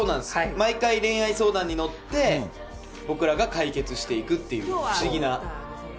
毎回恋愛相談に乗って、僕らが解決していくっていう、不思議な。